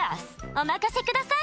お任せください！